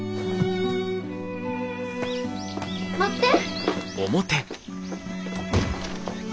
待って！